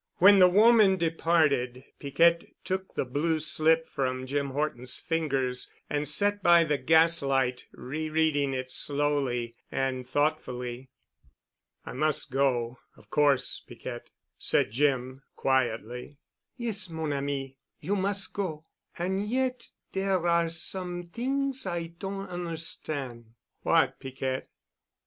When the woman departed, Piquette took the blue slip from Jim Horton's fingers and sat by the gas light, rereading it slowly and thoughtfully. "I must go, of course, Piquette," said Jim quietly. "Yes, mon ami, you mus' go. An' yet there are some t'ings I don' on'erstan'." "What, Piquette?"